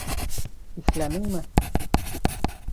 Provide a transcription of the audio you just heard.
Иҫләнеңме?